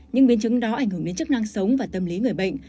những biến chứng đó ảnh hưởng đến chức năng sống và tâm lý người bệnh